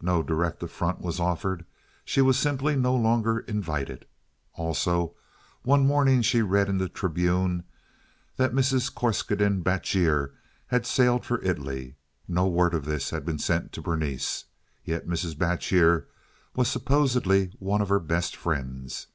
No direct affront was offered; she was simply no longer invited. Also one morning she read in the Tribune that Mrs. Corscaden Batjer had sailed for Italy. No word of this had been sent to Berenice. Yet Mrs. Batjer was supposedly one of her best friends.